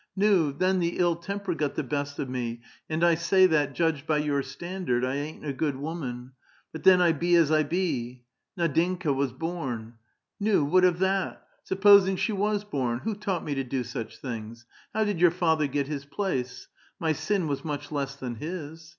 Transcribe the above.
Nuy then the ill temper got the best of me, and 1 say that, judged l>y your standard, 1 ain't a good woman ; but then I be as I ) be. Nddinka was born, ^'a, what of that? Supposing she was born? Who taught me to do such things? How did your father get his place ? My sin was much less than his.